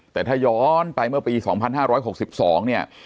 แต่ถ้าย้อนไปเมื่อปี๒๕๖๒เนี่ย